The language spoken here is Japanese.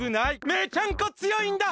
めちゃんこ強いんだ！